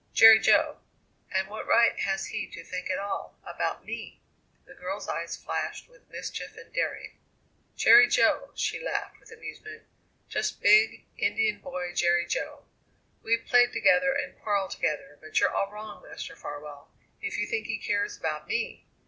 "Jerry Jo! And what right has he to think at all about me?" The girl's eyes flashed with mischief and daring. "Jerry Jo!" she laughed with amusement. "Just big, Indian boy Jerry Jo! We've played together and quarrelled together, but you're all wrong, Master Farwell, if you think he cares about me!